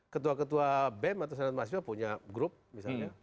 ketua ketua bem atau senat mahasiswa punya grup misalnya